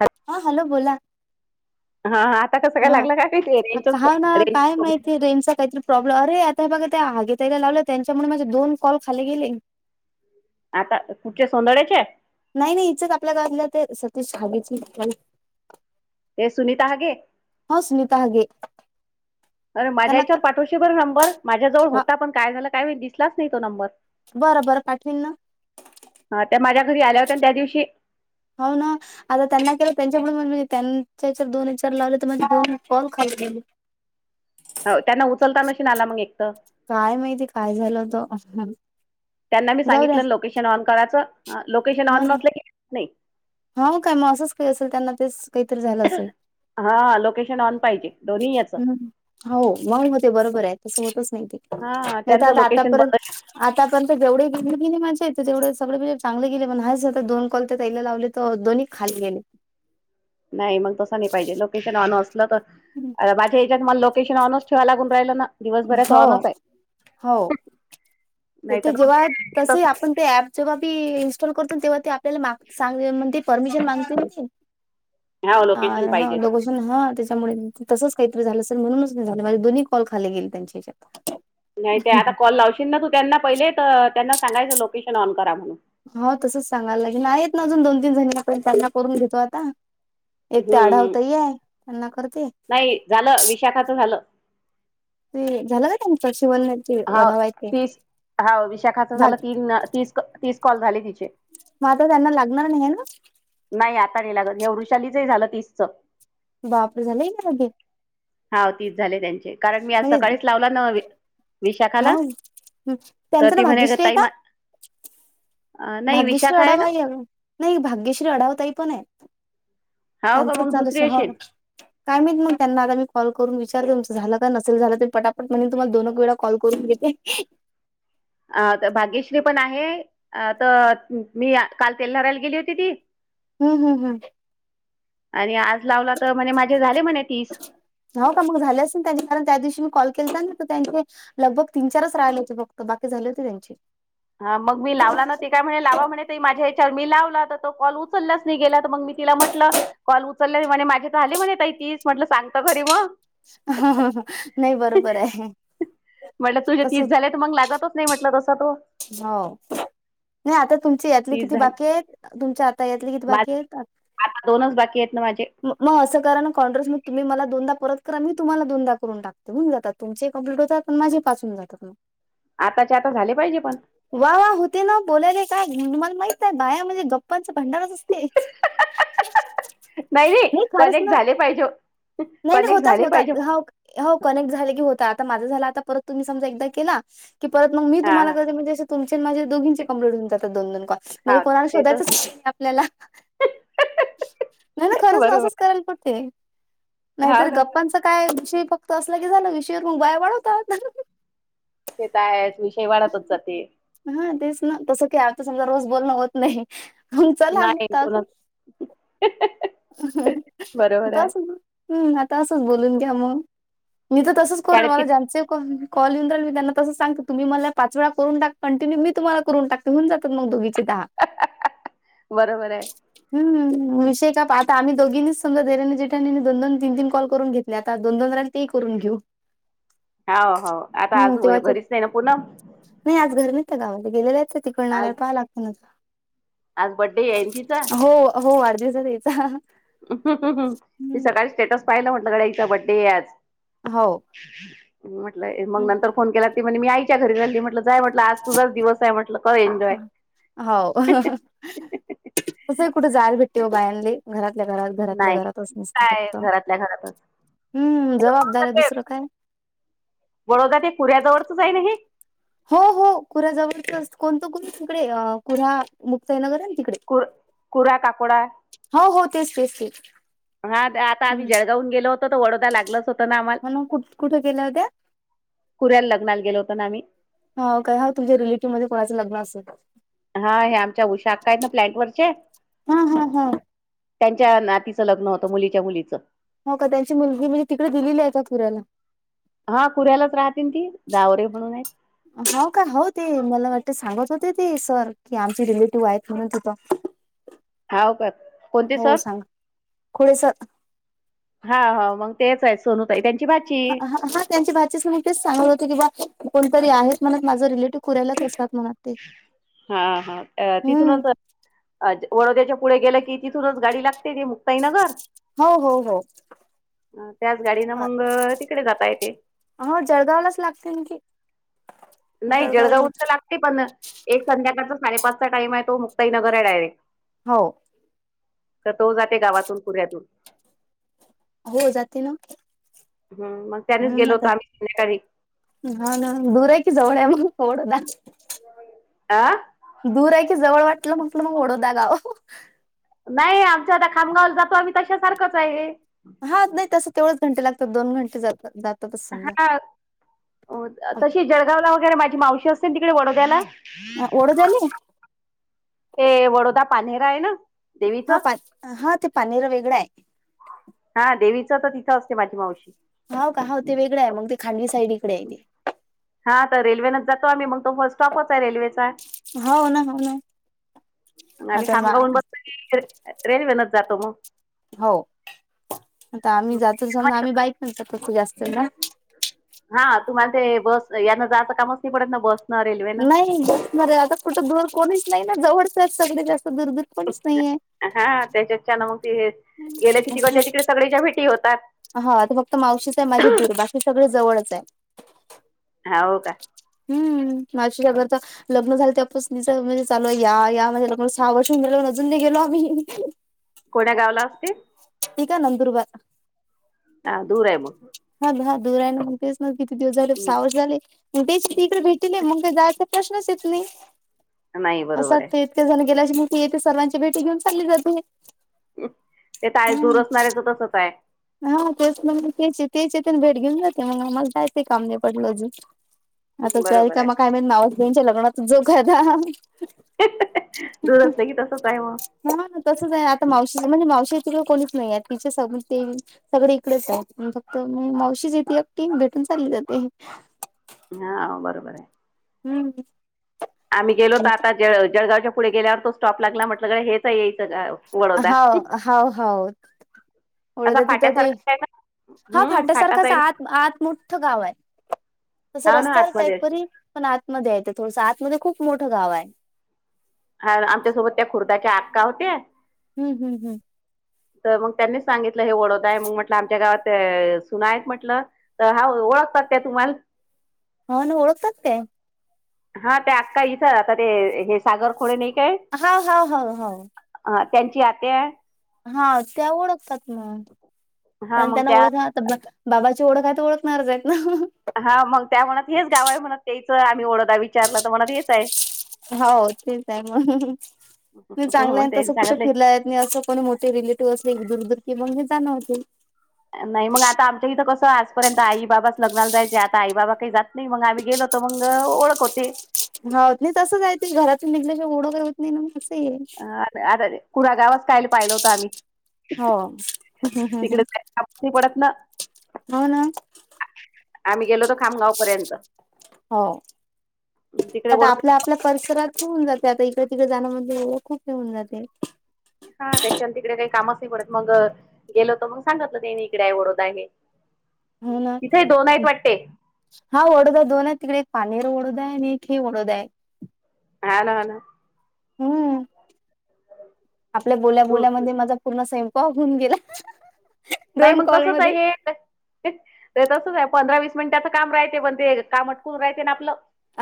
हॅ हा हॅलो बोला. हा हा आता कस काय हा लागलं काय माहिती रेंजचा प्रो हा ना रेंज काय प्रॉब्लेम माहिती रेंजचा काहीतरी प्रॉब्लेम अर आता बघा त्या आगे त्यायला लावलं, त्याच्यामुळे माझे दोन कॉल खाली गेले. आता कुठले सौंदर्यचे? नाही नाही इचच आपल्या गावातले ते सतीश हगीची ते सुनीता हागे हो सुनीता हागे अरे माझ्या त्यांना याच्यावर पाठवशी नंबर माझ्याजवळ हा होता, पण काय झाला काही दिसलाच नाही तो नंबर. बरं, बरं, पाठवीन ना. हा त्या माझ्या घरी आल्या होत्या, त्या दिवशी हो, ना आता त्यांना केलं त्यांच्या पुढ मग त्यांच्याच्या दोन एचार लावले तर माझे, दोन कॉल खाली गेले. हो त्यांना उचलता नशीन आला मग एकत काय माहिती काय झालं होतं. त्यांना मी जाऊ द्या सांगितलं लोकेशन ऑन करायचं, लोकेशन हो ऑन ना नसलं की नाही हो काय मग असंच काही असेल, त्यांना ते काहीतरी झाल असेल हा लोकेशन ऑन पाहिजे दोन्ही याचं हम्. हो, मग होते बरोबर आहे तसं होतच नाही ते हा नाही तर त्यांचं आता लोकेशन आतापर्यंत, बंद असेल- आता पर्यंत जेवढे गेले कणी माझे तेवढे सगळे म्हणजे चांगले गेले, पण हाय सध्या दोन कॉल त्या ताईला लावले त दोन्ही खाली गेले. नाही मग तसं नाही पाहिजे. लोकेशन अ असलं तर अ, बाकी या्याच्यात मला लोकेशन ऑनच ठेवा लागून राहिल, ना दिवसभराच हो ऑनच आहे. हो नाहीत [unintelligible] प जेव्हा मी इन्स्टॉल करतो, तेव्हा ते आपल्याला मागांग म्हणज. [unintelligible] परमिशन मागते ते हो लोकेशन पाहिजेच. लोकेशन त्यामुळे तसच काहीतरी झालं असेल म्हणून झालं माझे दोन्ही कॉल खाली गेले त्यांच्या हच्यात नाही ते आता कॉल लावशील ना, तू त्यांना पहिले तर त्यांना सांगायचं, लोकेशन ऑन करा म्हणून हो तसंच सांगायला लागेल, ना आहेत येत ना अजून दोन तीन जणी आपण त्यांना, करून घेतो, आता एक ते हम्म हम्म आढावताईआहे, त्यांना करते. नाही झालं. विशाखाचं झालं. ते झालं नाही काय शिवलने हा तीस हा विशाखाच झालं, भाजी तीन ती तीस कॉल झाली तिचे - म, आता त्त्यांना लागणार नाही ना नाही आता नाही लागत, हे वृषालीचही झालं तिसचं. बापर झालाय, का मागे हा तीस झाले त्यांचे कारण मी आज म्हणजे सकाळीच लावला न हा तर त्यांच ती नाव म्हणे "अगं भाग्यश्री आहे, ताई का मा-" अं, नाही भाग्यश्री विशाखा आहे ना अडावा नाही, भाग्यश्री अडावा ताईपण आहे. हाव का त्यांचंच मग दुसरी झालं हा, अशील. काय नाहीत मग त्यांना आता मी कॉल करून विचारते. तुमं झालं का नसेल झालं ते पटापट म्हण तुमला दो वेळा कॉल करूनग्यत ते [unintelligible] अ तर भाग्यश्री पण आहे अ, तर मी, काल तेल्हाराला गेली होती, ती हम्म, हम्, हम् आणि आज लावला तर म्हणे, माझे झाले, म्हणे, तीस. हो का मग झाले, अस ना त्यां कारण त्या दिवशी मी कॉल केले, ना तर त्यांचे, लग बग तीन चारच राहिला, ते बघत बाकी झाली होती, त्यांची हा मग मी लावला, ना ते काय म्हणे लावा म्हणे ताई माझ्या याच्यावर मी लावला तर तो कॉल उचललाच नाही गेला, तर मग म तिला म्हटलं कॉल उचलले म्हणे, माझे तर आले म्हणे त तीच म्हटलं सांगत खरी मग नाही बरोबर आहे म्हटलं तुझ्या तीस तसच झालंय, तर मग लागत हो नाही म्हटलं तसं तो हो नाही आता तुमची यातली तीस किती झाले. बाकी आहेत तुमच्या आता यातली किती माझे बाकी आहेत. आता दोनच बाकी आहेत ना माझे, मगं अस करा ना [unintelligible] मग तुम्ही मला दोनदा परत करा मी तुम्हाला दोनदा करून टकत हून जातात तुमचे कंप्लीट होतात माझे पाच होऊन जातात मग आताच्या आता झाले पाहिजे पण वा वा होते ना बोलायला, काय तुमला माहित आहे बाया म्हणजे गप्पांच भंडारच असते. नाही खरंच ना कनेक्ट झाले पाहिजे नाही, नाही कनेक्ट होतात, झाले होतात पाहिजे हा हो कनेक्ट झाले की होता आता माझा झाला आता परत तुम्ही समजा एकदा केला की परत मग मी हा तुम्हाला हा ते म्हणजे तुमचे आणि माझे दोघीचे कंप्लेट होऊ जातात दो दोन कॉल म्हणजे हा कोणाला ते तर शोधयचच नाही आपल्याला नाही ना खरंच ना बरोबर असंच करायला बघते [unintelligible] हाव नाहीतरी ना. गप्पांचा काय विषय फक्त असलं की झालं विषयावर बाय वाढवतात तेेत आहेच विषयी वाढतच जाते. हा तेच ना, तसं काय आता समजा रोज बोलणं होत नाही. मग चला नाही आता असंच कोणाच आता अस, हम् आता असंच बोलून घ्या मग मी तर तसच करुन शाळेत मला किती ज्यांचे [unintelligible] कॉल येऊन राहिले त्यांना तसंच सांगते तुम्ही मला पाच वेळा करून टाक कॉन्टिन्यू, मी तुम्हाला करून टाक होऊन जातात मग दोघींचे दहा. बरोबर हाय हम्म, विषय का पहा आता आम्ही दोघीनीच समजा देवरानी -जेठानीन दोन -दोन, तीन- तीन कॉल करून घेतले, आता दोन, दोन राहिले तेही करून घेऊ. आव हो, आता हम्म आज तेव्हाच भरीत नाही ना पुनम? नाही आज घर नाही गावात, गेलेले त्या तिकडन आज आल्यावर पाहा लागत ना आता. आज बड्डे हेय ना तिचा? हो वाढदिवस हाय [unintelligible] मी सकाळी स्टेटस पाहिलं म्हटलं हिचा बड्डेय आज हो म्हटलं मग नंतर हम्म. फोन केला, ती म्हणे मी आईच्या घरी चाली म्हटलं जाय म्हटलं आज तुझाच दिवसाय म्हटलं. कर एन्जॉय तसं ही कुठे जयाला भेटते बायांले लई, घरातल्या घरात घरातल्या नाही घरातच अस नुसतं काय फक्त, घरातल्या घरातच. हम्म हे बडोदा जबाबदाऱ्या ते दुसरं काय. बडोदा ते कुऱ्याजवळच हाय ना हे? हो हो कुऱ्याजवळच कोणत कोण तिकडे, कुऱ्हा मुक्ताईनगर आहे ना तिकडे. कुर, कुऱ्या काकोडा हो हो तेच तेच तेच हा आता आम्ही हम्म जळगाव हून गेलो होतो त वडोदा लागलच होतं ना आम्हाल. कुठ कुठ गेल्या होत्या? कुऱ्या लग्नाला गेलो होत ना आम्ही हाव का हा तुझ्या रिलेटिव्ह मध्ये कोणाचं लग्न असल. हा ह्या आमच्या उशा अक्का आहेत फ्लॅट वरचे हा हा हा त्यांच्या नातीचं लग्न होतं, मुलीच्या मुलीच. हो का त्यांची मुलगी म्हणजे तिकड दिलेली हाय का कुऱ्याला? हा कुऱ्यालाच राहते न ती, जावरे म्हणून आहेत. हो का हो ते मला वाटत सांगत होते ते सर, की आमचे रिलेटिव्ह आहेत म्हणून तिथं [unintelligible] हाव का कोणती सर? कोळी सर हा हाव मग तेच [unintelligible] सोनू ताई त्यांची भाची. ह हा त्यांची भाचीच मग त्येच सांगत होते की बा, कोणतरी आहेत म्हणत माझं रिलेटिव्ह कुऱ्यालाच असतात म्हणालतीत हा हा अ, हम्म तिथूनच अ, वडोदयाच्या पुढे गेलं की, तिथूनच गाडी लागते ते मग साईनगर, हो हो हो. त्याच गाडीन मंग तिकडे जाता येते. हो जळगावलाच लागते न ते. नाही जळगावहुन तर लागते पण, एक संध्याकाळचा साडेपाचचा टाइम हाय, तो मुक्ताईनगर आहे डायरेक्ट. हो तर तो जाते, गावातून कुऱ्यातून. हो जाते ना हम्, मग त्यानेच हम्म गेलो आता होतो आम्ही संध्याकाळी. हा ना दूर आहे कि जवळ आहे मग [unintelligible] ना. आ. दूर आहे की जवळ वाटलं म्हटलं मग बडोदा गाव? नाही आमच्या आता खामगावला जातो आम्ही तश्या सारखंच आहे हे. हा नाही तस तेवढंच घंटे लागतात दोन घंटे जातात जात जातातच समजा हा अह तशी जळगावला वगैरे माझी मावशी असते तिकडे वडोद्याला. अ वडोद्याले ते वडोदा पानेहेरा आहे ना. हा देवीचं फात हा ते पानहेरा वेगळं आहे. हा देवीचं तर तिथं असते माझी मावशी हाव का हो ते वेगळं आहे मग ते खांडवी साईड इकडे आहे ते. हा तर रेल्वनंतर तो आम्ही म्हणतो बसस्टॉपच आहे रेल्वेचा हो ना हो ना म आम्ही आता मा खामगावून बसत रेल्वेनच जातो मग हो आता आम्ही जातो समज आम्ही बाईक न जातो खूप जास्त ना हा तुम्हाला ते बस यान जायचं कामच नाही पडत ना बस. नाही [unintelligible] आता कुठं दूर कोणीच नाही ना जवळच आहेत सगळे जास्त दुरबीर हा त्याच्यातच्यान मग ते गेलं की तिकडच्या तिकडे सगळेच्या भेटी होतात. हा आता फक्त मावशीच आहे माझी दुर बाकी सगळे जवळच आहे. हाव का. हम्म मावशीच घर तर लग्न झालं त्यापासच म चालू आहे या या माझ्या लग्न सहा वर्ष होऊन गेले पण अजून नाही गेलो आम्ही कोण्या गावला असती? ते का नंदुरबार हा दूर आहे मग. हा हा दूर आहे ना मग तेच ना किती दिवस झाले सहा हम्म वर्ष झाले तेच तिकडे भेटले मग. ते जायचा प्रश्नच येत नाही नाही अस बरोबर आहे. ते ते झाल गेल्या वर्षी ती येते सर्वांची भेटी घेऊन चालली जाते. ते काय दूर हम्म. असणाऱ्याच तसच आहे. हा तेच ना तेचे तेच पण भेट घेऊन जाते मग आम्हाला जायचं काम नाही पडलं अजून आता बरोबर आहे [unintelligible] काय मावसबहिणीच्या लग्नात जोग आहे का दूर असते की तसच आहे मग. हो ना तसंच आहे आता मावशीच म्हणजे मावशी तिकडे कोणीच नाही आहे तिचे सग ते सगळे इकडेच आहे फक्त मावशीच तिथे एकटी भेटून चालली जाते. हा बरोबर आहे. हम्म. आम्ही गेलोत आता जळ जळगावच्या पुढे गेल्यावर तो स्टॉप लागला म्हटलं ग हेच आहे ग हीच गाव. वडोदा. हाव हाव हाव. असा [unintelligible] तिथं ते फाट्यासारखाच आहे ना हा हम्म फाट्या फाटाच सारखाच आहे ना आत आत मोठं गाव आहे. तसं हाव ना रस्त्यावर आतमध्ये असे. टाईपरी पण आतमध्ये आहे ते थोडसं आतमध्ये खूप मोठं गाव आहे. हा आमच्यासोबत त्या खुर्दाच्या आक्का होत्या. हम्म हम्म हम्म. तर मग त्यांनीच सांगितलं हे वडोदा आहे म म्हटलं आमच्या गावात सुना आहेत म्हटलं. तर हा ओळखतात त्या तुम्हाला. हो न ओळखतेत ते. हा ते आक्का इथं आता ते हे सागर खोडे नाही काय? हा हा ह हम. ह त्यांची आत्या हा त्या ओळखतात म्हण हा कारण मग त्यांना त्या ओळखणार बाबाची ओळख हाय तर ओळखणारच आहेत ना. हा मग त्या म्हणत हेच गाव आहे म्हणत तेच आम्ही ओळदा विचारलं तर म्हणत हेच आहे. हो तेच आहे मग मी चांगलं मग आहे त्यांनी तसं कुठ सांगितले फिरलंय जात म असं पण मोठे रिलेटिव्ह असले दुरदुर की मग जाणं होते. नाही मग आता आमच्या इथं कसं आजपर्यंत आई बाबाच लग्नाला जायचे आता आई बाबा काही जात नाही मग आम्ही गेलो तर मग ओळख होते. होत नाही तसंचय ते घरातून निघल्या शिवाय ओळख होत नाही मग असं आहे. अरे अरे कुरा गावच काहील पाहिलं होतं आम्ही. हो तिकडे जायला कामच नाही पडत ना हो ना. आम्ही गेलो होतो खामगाव पर्यंत हो. तिकडे आता आपल्या आपल्या परिसरात ठेऊन जाते आता इक तिकडे जाण मध्ये ओळख खूप होऊन जाते. हा त्याच्यानंत तिकडे काही कामच नाही पडत मग गेलो तर मग सांगतलं तेनी इकडे आवडत आहे. हो ना. तिथे दोन आहेत वाटते हा ओडोदा आहे दोन आहे तिकडे एक पानीर ओडोदा आहे आणि एक ही ओडोद आहे. [unintelligible] हम्म आपल्या बोल्या दूर बोल्यामध्ये माझा पूर्ण स्वयंपाक होऊन गेला. नाही दोन मग तसच कॉलमध्ये आहे हे. ते तसंच आहे पंधरा वीस मिनिटाचं काम राहते पण ते काम अटकून राहते ना आपलं.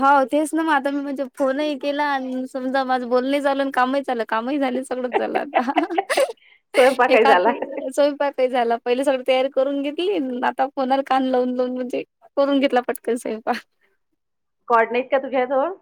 होा तेच ना मग आता मी म्हणजे फोनही केला आणि समजा माझं बोलण झालं आणि कामही झाल. कामही झाले सगळंच झालं आता स्वयंपाक ही एका झाला हाती स्वयंपाक ते झालं पहिले सगळी तयारी करून घेतली आता फोनार कान लावून लावून म्हणजे करून घेतला पटकन सोयपाक. कॉड नाहीत का तुझ्या जवळ?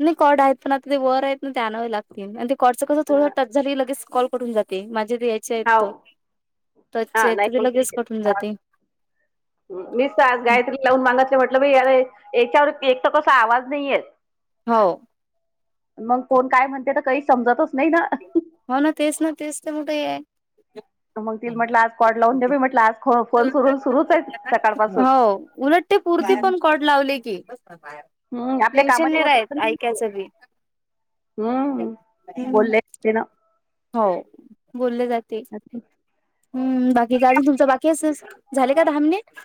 नाही कॉड आहेत पण आता ते वर आहेत ना ते आणावे लागतील आणि ते कॉडचं कसं थोडं टच झाल कि लगेच कॉल करून जात. माझ्या ते यायचे आहेत हाव त तचे हा आहेत नाही त ते मग लगेच कट होवून जाते. मीस आज गायत्री लावून मागतले म्हटलं ब यारे याच्यावर एक तर कसा आवाज नाही येत. हो. मग कोण काय म्हणते तर काही समजतच नाही ना. हो ना तेच ना तेच तर मोठ आहे. मग ति म्हटलं आज कॉड लावून दे म म्हटलं आज फोन सुरू सुरूच आहे सकाळपासून हो उलट ते पुरती हम्म पण कॉड लावले की. हम्म आपल्या टेन्शन कामाही नाही होत राहत ऐकायचं बी हम्म बोलले ते ना. हो बोलले जात ते हम्म बाकी का अजून तुमच बाकी अस झाले का दहा मिनिट?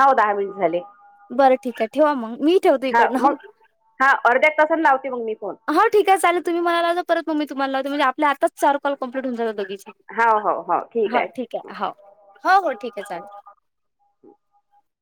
हो दहा मिनिट झाले. बरं ठीक आहे ठेवा मग मी ठेवतो हा इकडनं मग हा अर्ध्या एक तासन लावते मग मी फोन. ह ठिक आहे चाले तुम्ही मला जा परत म तुम्हाला लावते म्हणजे आपले आताच चार कॉल कंम्पप्लेट होऊन जातात दोघींचे. हां, हो हो ठीक आहे. [unintelligible] हो, हो हो ठीक आहे चालेल.